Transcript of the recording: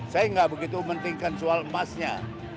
saya nggak begitu pentingkan soal emasnya